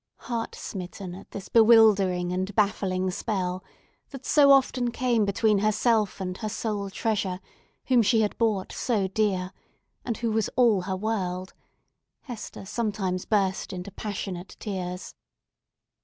Heart smitten at this bewildering and baffling spell, that so often came between herself and her sole treasure, whom she had bought so dear, and who was all her world, Hester sometimes burst into passionate tears.